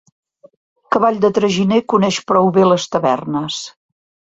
Cavall de traginer coneix prou bé les tavernes.